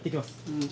うん。